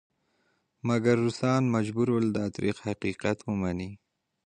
مګر روسان مجبور ول دا تریخ حقیقت ومني.